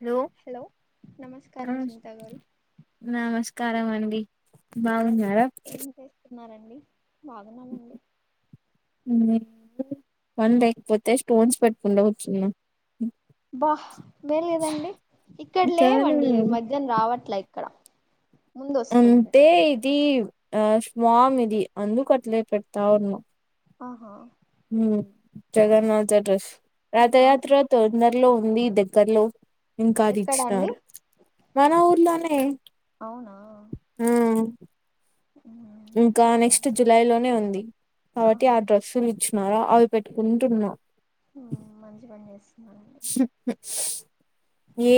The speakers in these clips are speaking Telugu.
హలో నమస్కారం నమస్క చింత గారు నమస్క్ స్కారం అండి బాగున్నారా? న్నారండి బాగున్నామండి. ఉమ్ పని లేకపోతే స్టోన్స్ పెట్టకుండా కూర్చ్చున్నా బ్బా మేలు లేదండి ఇక్కడ చాలు లేవండి ఈ మధ్యాన రావట్లై ముందొస్తుంది. తీవ్ ఆ స్వామ్ ఇది అందుకు అట్లే పెడతా ఉన్నా ఓహో ఉమ్ జగన్నాజ డ్రెస్ రాత ఆహా యాత్రతో న లో ఉంది దగ్గర్లో ఎక్కడ అండి ఇంకాదిచ్చినారు మన ఊర్లోనే అవునా ఆ ఇంకా ఎక్కడ? నెక్స్ట్ జూలై లోనే ఉంది కాబట్టి ఆహా ఆ డ్రెస్సులు ఇచ్చ్ న్నారా అవి పెట్టుకుంటున్నా. ఉమ్ మంచి పని చేస్తున్నానండి. స్రీప్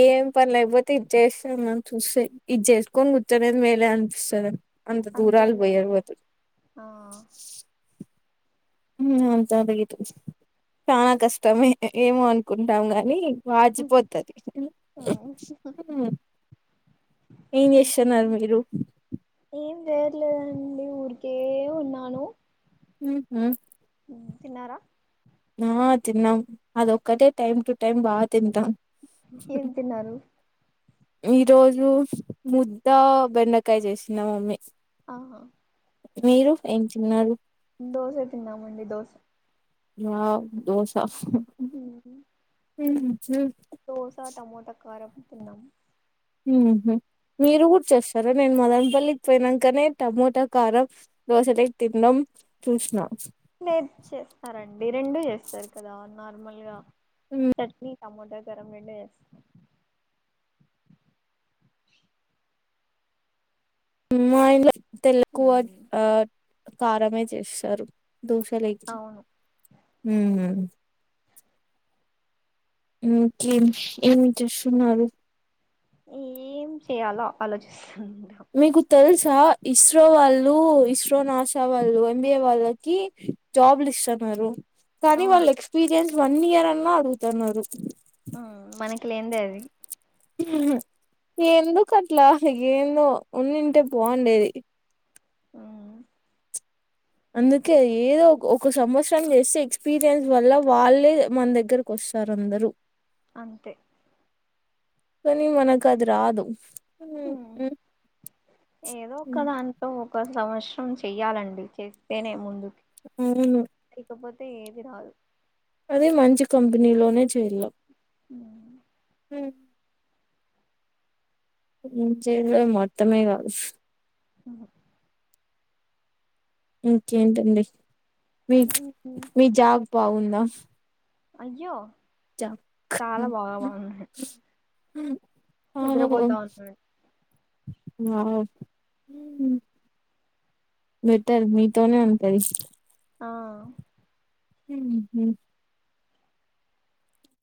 ఏం పని లేకపోతే ఇది చేస్తాను అని చూస్తే ఇది చేసుకొని కూర్చొనేది మేలే అనిపిస్తుంది. అంత దూరాల్ బోయి అంతేలేండి అరువతు ఆ అంత అదిగ చాలా కష్టమే ఏమో అనుకుంటాం గాని వాచిపోతది ఏం జేస్తున్నారు మీరు పేర్లేదండి ఊరికే ఉన్నాను హ తిన్నారా ఆ తిన్నాం అదొక్కటే టైమ్ టు టైమ్ బా ఏం తిన్నారు ఈ రోజు ముద్ద బెండకాయ చేసినాం మా మమ్మీ ఆ మీరు ఏం తిన్నారు దోశ తిన్నామండి దోశ వావ్ దోస ఉమ్ టమోట కారం తిన్నాము హ్ మీరు కూడా చేస్తార నేను మదనపల్లికి పోయినాంకనే టమోటా కారం దోశలకి తినడం చూసిన లేదు చేస్తారండి రెండూ చేస్తారు కదా నార్మల్గా హ్మ్. చట్నీ టమోటా కారం రెండు చేస్తారు మా ఇంట్లో తెల్లకువ మ్మ్ కారమే చేస్తారు దోశ లోకి అవును ఇంకేం ఏమి చేస్తున్నారు ఏం చేయాలో ఆలోచిస్తుంటా మీకు తెలుసా ఇస్రో వాళ్ళు ఇస్రో నాసా వాళ్ళు ఎంబిఏ వాళ్ళకి జాబ్లు ఇస్తున్నారు కానీ అవునా వాళ్ళు ఎక్స్పీరియన్స్ వన్ ఇయర్ అన్నా అడుగుతున్నారు మ్మ్ మనకి లేందే అది ఎందుకట్లా ఏందో ఉన్నింటే బాగుండేది ఆ అందుకే ఏదో ఒక ఒక సంవత్సరం చేస్తే ఎక్స్పీరియన్స్ వల్ల వాళ్ళే మన దగ్గరకు వస్తారు వస్తారు అందరు అంతే కానీ మనకు అది రాదు మ్మ్ ఏదో ఒక ఉమ్, దాంట్లో ఒక సంవత్సరం చెయ్యాలండి చేస్తేనే ముందు మ్ ఇక పోతే ఏదిరాదు అది మంచి కంపెనీలోనే చేయల ఉ హ చే మొత్తమే కాదు ఆ ఇంకేంటండి మీ మ్మ్ మీ జాబ్ బాగుందా అయ్యో జాబ్ చాలా బాగా బాగుంది నిద్రపోతా ఉన్నాడు వావ్ బెటర్ మీతోనే ఉంటది ఆ హ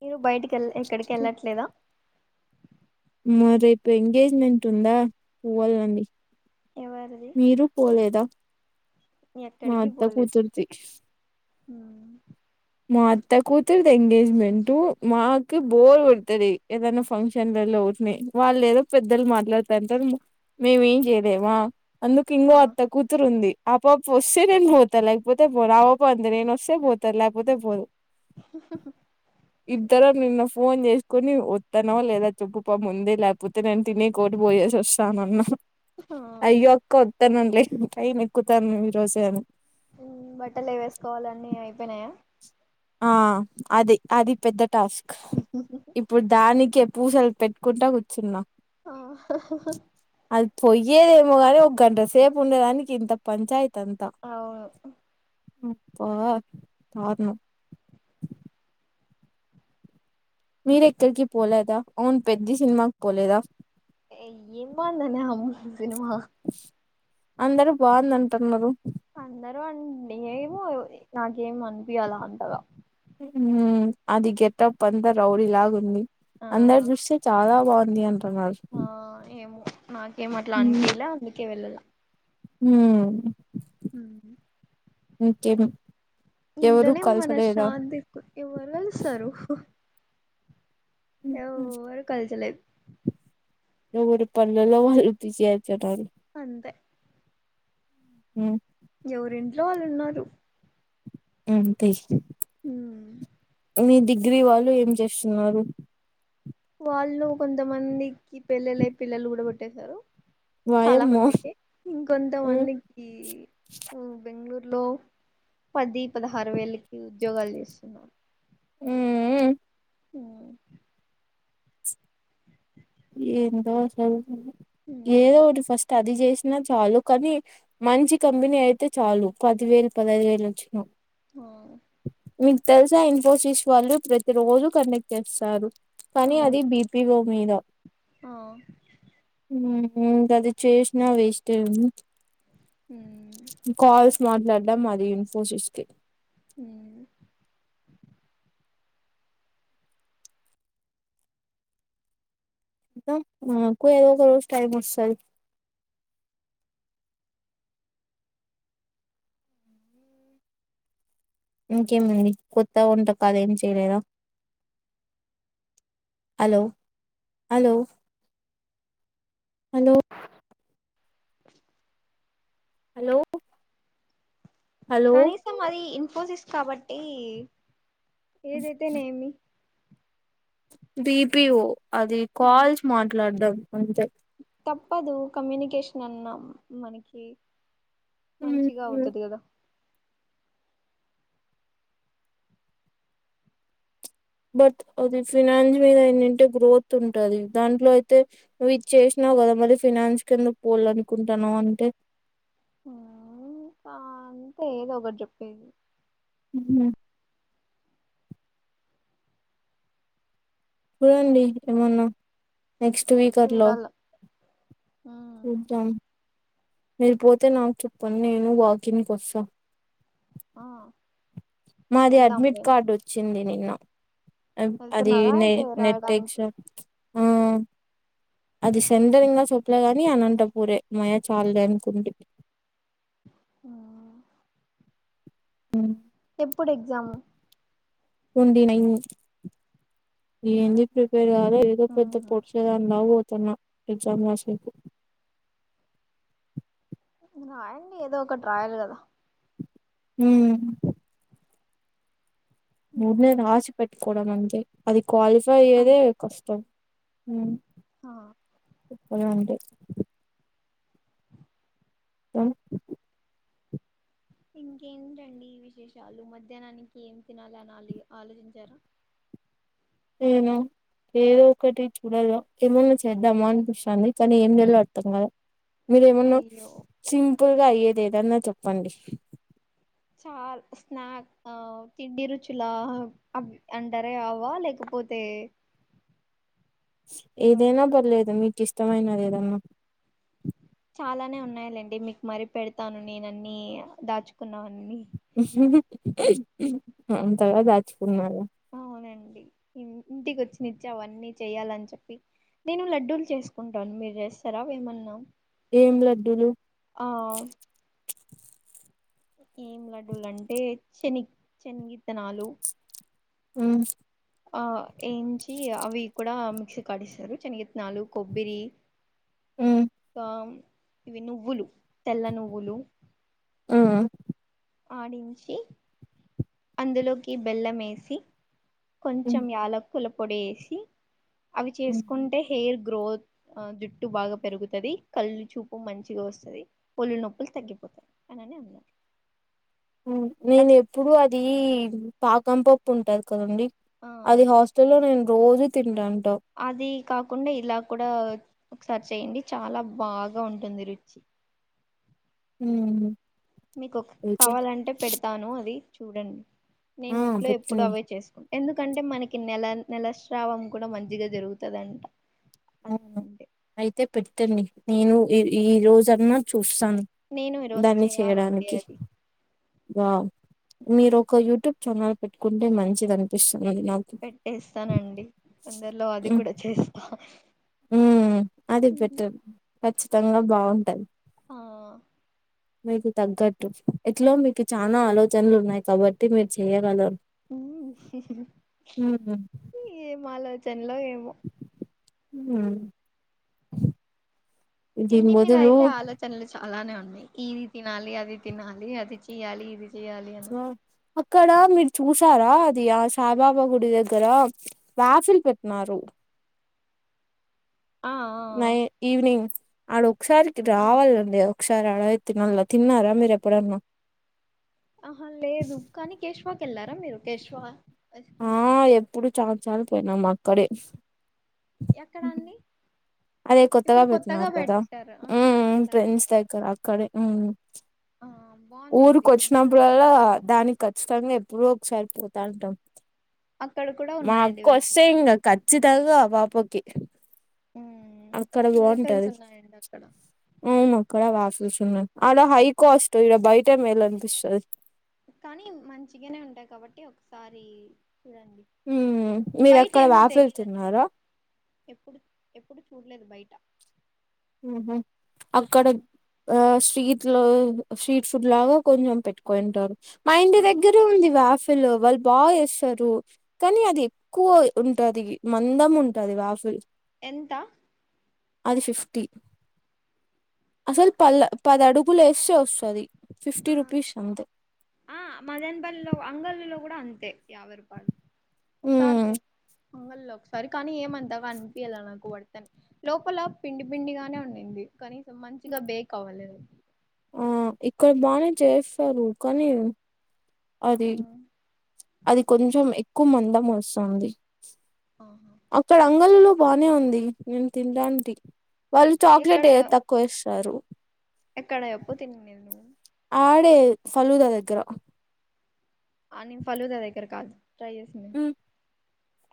మీరు బయటికి వెళ్ ఎక్కడికి వెళ్ళట్లేదా మ రేపు ఎంగేజ్మెంట్ ఉందా పోవాలండి ఎవరిది మీరు పోలేదా మా అత్తా కూతుర్ది హ మా అత్త కూతురుది ఎంగేజ్మెంట్ మాకు బోర్ కొడుతది ఏదైనా ఫంక్షన్లలో [unintelligible] వాళ్ళు లేద పెద్దలు మాట్లాడతంట మేమేం చేయలేమా అందుకు ఆ ఇంకో అత్త కూతురు ఉంది ఆపాప వస్తే నేను పోతా లేకపోతే పోను ఆ పాప అంతే నేను వస్తే పోతాది లేక పోతే పోదు ఇద్దరు నిన్ను ఫోన్ చేసుకుని వస్తానో లేదా చె ప్పుపా ముందే లేకపోతే నేను తినే కోటి పోయేసి వస్తున్నాం ఆ అయ్యోక్క వత్తన్నాను లే పైన ఎక్కుతాను ఈ రోజే అను పెనాయా ఆ అది అది పెద్ద టాస్క్ ఇప్పుడు దానికి పూసలు పెట్టుకుంటా కూర్చున్నా ఆ అది పొయ్యేదేమో గాని ఒక గంట సేపు ఉండేదానికి ఇంత పంచాయతీ అంత అవును అబ్బా దారుణం మీర ఎక్కడికి పోలేదా అవును పెద్ద సినిమాకి పోలేదా ఏంముందని అమ్మూ సినిమా అందరు బాగుందంటూన్నారు న ఏమో నాకేమి అనిపిలా అంత గా అది గెటప్ అంతా రౌడీ లాగా ఉంది ఆ అందరు చూస్తే చాలా బావుంది అంట ఆ ఏమో నాకేమ అట్లా అనిపియ్యల అందుకే వెళ్ళల హ్మ్మ్ ఉమ్ ఇంకేం ఎవరు ఇంట్లోనే మన కలసలేదా శాంతి ఎవరు కలుస్తారు ఎవ్వరూ కాల్చలేదు ఎవరి పనులల్లో వాళ్ళు బిజీ అయితున్నారు అంతే హుమ్ ఎవరింట్లో వాళ్ళు ఉన్నారు [unintelligible] ఉ మీ డిగ్రీ వాళ్ళు ఏం చేస్తున్నారు వాళ్ళు కొంతమందికి పెళ్ళిళ్ళై పిల్లలు కూడా పు ట్టేశారు చాలా వాయమ్మో మందికి ఇంకొంత మ్ మందికి బెంగళూరు లో పది పదహారు వేలకి ఉద్యోగాలు చేస్తున్నాను హుమ్మ్ అ ఏందో అసలు ఏదో ఒకటి ఫస్ట్ అది చేసినా చాలు కానీ మంచి కంపెనీ అయితే చాలు పది వేలు పదహైదు వేలు వచ్చినా మీకు తెలుసా ఇన్ఫోసిస్ వాళ్ళు ప్రతి రోజు కండక్ట్ చేస్తారు కానీ అది బీపిఓ మీద హా అది చేసినా వేస్ట్ కాల్స్ మాట్లాడడం మాది ఇన్ఫోసిస్ కి అ నాకు ఏదో ఒక రోజు టైమ్ వస్తాది ఇంకేమండి కొత్త వంటకాలేం చేయలేదా hello hello hello hello! Hello కనీసం అది ఇన్ఫోసిస్ కాబట్టి ఏదైతేనేమి. బిపిఓ అది కాల్స్ మాట్లాడ్డం అంతే. తప్పదు కమ్యూనికేషన్ అన్నా మనకి మంచిగా ఉమ్, అవుతాది కదా. బట్ అది ఫినాన్స్ మీద అంటే గ్రోత్ ఉంటాది దాంట్లో అయితే నువ్ ఇది చేసిన కదా మీ ఫిననాన్స్ కింద పోవాల అనుకుంటాన్నావు అంటే మ్ హ అంతే ఏదో ఒకటి చెప్పేది హు హూ అవునండి ఏమన్నా నెక్స్ట్ స్పీకర్ లో చూడాల మీరు పోతే నాకు చెప్ప నేను వాకింగ్ కు వస్తా ఆ మాది అడ్మిట్ వెళ్దాంలే కార్డు వచ్చింది నిన్న. అది వెళ్తున్నారా నె అయితే నెటెక్స్ రాయడానికి అది సెంటరింగ్ గా చెప్పలే గాని అనంతపూరే అమ్మ యా చాల్లే అనుకున్నా. ఆ ఎప్పుడు ఎగ్జామ్? ట్వంటీ నైన్ ఏంది ప్రిపేర్ కాలే ఏదో పెద్ద పొడిచేదానిలాగ పోతుంది. తను ఎగ్జామ్ రాసే కి రాయండి ఏదో ఒకటి రాయలి కదా మ్ ఊరుకునే న రాసి పెట్టుకోవడం అంతే అది క్వాలిఫై అయ్యేదే కష్టం. మ్ ఆ ఎప్పుడంటే స [unintelligible] ఇంకేంటండి విశేషాలు మధ్యాహ్నానికి ఏం తినాలి అని ఆ ఆలోచించారా? ఏమో ఏదో ఒకటి చూడలో ఏమన్నా చేద్దామా అనిపిస్తుంది కానీ ఏం చేయాలో అర్థం కాలే. మీరేమన్నా అయ్యో సింపుల్గా అయ్యేది ఏదన్నా చెప్పండి చా స్నాక్ ఆ తిండి రుచుల అంటారే అవా లేకపోతే ఏ ఏదైనా పర్లేదు మీకు ఇష్టమైనది ఏదన్నా. చాలానే ఉన్నాయండి. మీకు మరీ పెడతాను నేన అన్ని దాచుకున్నవన్నీ. ఎంత దాచుకున్నారో అవునండి ఇంటికి వచ్చిన ఇచ్చి అవన్నీ చెయ్యాలని చెప్పి నేను లడ్డూలు చేసుకుంటాను మీరు చేేస్తారా ఏమన్నా ఏం లడ్డూ లు ఆ ఏం లడ్డూలంటే శని శనగిత్తనాలు మ్ అవి ఏయించి అవి కూడా మిక్సీ కాడిస్తారు శనగిత్తనాలు, కొబ్బరి ఇకా ఇవి నువ్వులు తెల్ల నువ్వులు మ్ ఆడించి అందులోకి బెల్లం వేసి కొంచెం యాలక్కుల పొడి వేసి అవి చేసుకుంటే హెయిర్ గ్రోత్ జుట్టు బాగా పెరుగుతుది కళ్ళు చూపు మంచిగా వస్తుంది ఒళ్ళు నొప్పులు తగ్గిపోతాయి. అని అంది. నేను ఎప్పుడు అది పాకం పప్పు ఉంటది కదండి ఆ అది హాస్టల్లో నేను రోజు తింటాన్ అది కాకుండా ఇలా కుడా ఒకసారి చెయ్యండి చాలా బాగా ఉంటుంది రుచి ఊమ్ మీకు ఒక్ కావాలంటే పెడతాను అది చూడండి నేను ఆ ఇంట్లో ఎప్పుడు పెట్టండి అవే చేసుకుం ఎందుకంటే మనకి నెల నెలస్రావం కూడా మంచిగా జరుగుతదంట ఓ అదింటే అయితే పెట్టండి నేను ఈ ఈ రోజన్నా చూస్ స్తాన్ నేను ఈరోజు దాన్ని చేయాలండి చేయడానికి అది వావ్ మీరు ఒక యూట్యూబ్ ఛానల్ పెట్టుకుంటే మంచిది అనిపిస్ పెట్టేస్తానండి తొందర్లో అది కూడా చేస్తా ఉ అది పెట్టంన్ ఖచ్చితంగా బావుంటది ఆ మీకు తగ్గట్టు ఎట్లో మీకు చాలా ఆలోచనలు ఉన్నాయి కాబట్టి మీరు చెయ్యగలరు ఊ ఉమ్ ఏం ఆలోచన్ ల్లో ఏమో ఉ తిండి మీద అయితే ఆలోచనండ్లు చాలానే ఉన్ య్ ఇది తినాలి అది తినాలి అది చెయ్యాలి ఇది చెయ్యాలి అని ఆ, అక్కడ మీరు చూసారా అది ఆ సాయిబాబా గుడి దగ్గర రాఫిల్ పెట్నారు ఆ ఆ నై ఈవినింగ్ ఆడ ఒకసారికి ఆ రావాలండి ఒకసారి అడే తినాళ్ళ తిన్నారా మీరు ఎప్పుడన్నా ఆహా లేదు కానీ కేశవాకెళ్లారా మీరు కేశువా ఆ ఎప్పుడు చాల చాన్ సార్లుపోయినామ్ అక్కడే ఎక్కడ అండి అదే కొత్తగా ఇప్పుడు పెట్నారు కదా పెట్టారు ఆ ఉ దానికి వెళ్ళారా ఫ్రెండ్స్ దగ్గర అక్కడే ఆ బాగుందండి దాని ఊరుకొచ్చినప్పుడు లోపల అల్లా దానికి కచ్చితంగా ఎ ఎబ్బుడో ఒకసారి పోతాంటాం అక్కడ కూడా మా ఉన్నాయండి అక్క వేఫల్ వస్తే ఇంగ ఖచ్చితంగా వాపకి అక్కడ వేఫెల్స్ బాంటది ఉన్నాయండి అక్కడ అవును అక్కడ వాషిల్సున్నాయ్ ఆడ హై కాస్ట్ ఈడ బయటే మేలనిపిస్తది కానీ మంచిగనే ఉంటాయ్ కాబట్టి ఒకసారి చూడండి ఉమ్ మీరు బయట అక్కడ ఏమో వాఫిల్ తెలీయదండి తిన్నారా నాకు ఎప్పుడు ఎప్పుడు చూల్లేదు బయటా ఆహ అక్కడ ఆ స్ట్రీట్ లో స్ట్రీట్ ఫుడ్ లాగా కొంచెం పెట్టుకోయింటారు మా ఇంటి దగ్గరే ఉంది వాఫ్ పిలు వాళ్ళు బాగా జేస్తారు కానీ అది ఎక్కువ ఉంటది మందం ఉంటది వాఫిల్ ఎంత అది ఫిఫ్టీ అసలు పల్ల పది అడుగులు ఏస్తే వస్తది ఫిఫ్టీ రూపీస్ అంతే ఆ మదనపల్లి లో అంగల్లల్లో కూడా అంతే యాబై రూపాయులు ఒకసారి ఉమ్ తిం అంగల్లో ఒకసారి కానీ ఏమంతా అనిపియ్యల నాకు వర్తన్ లోపల పిండి పిండిగానే ఉన్నింది కనీసం మంచిగా బేక్ అవ్వలేదు ఓ ఇక్కడ బానే చేస్తారు కానీ అది అది కొంచెం ఎక్కువ మందం వస్తాంది ఆహా అక్కడ అంగళ్ళలో బానే ఉంది నేను తింటాంటి వాళ్ళు ఎక్కడ చాక్లెటే తక్కువ ఏస్తారు ఎక్కడ జొప్పు తినిండేది నువ్వు ఆడే సలూదా దగ్గర ఆ నేన్ ఫలుదా దగ్గర కాదు ట్రై జేసిండేది హ్మ్.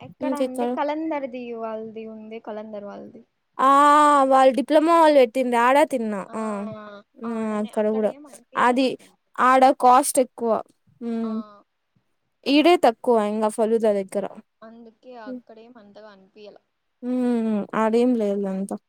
ఎక్కడ అంటే ఇంకెక్కడ కలందరి ది వాళ్ళది ఉంది కలందర్ వాళ్ది ఆ వాళ్ళు డిప్లొమో వాళ్ళు వెట్టింది ఆడ తిన్నా ఆ ఆడనే అక్కడ గూడా ఏం అనిపియాల అది నాకు ఆడ కాస్ట్ ఎక్కువ ఆ ఉమ్ ఈడే తక్కువ ఇంగా ఫలుదలకి అందుకే అక్కడే మంతగా అనిపియలే ఉమ్ ఆడేం లేదులే అంత